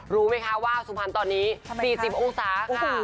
รู้ไหมคะว่าสุพรรณตอนนี้๔๐องศาค่ะ